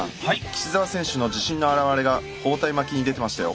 岸澤選手の自信の表れが包帯巻きに出てましたよ。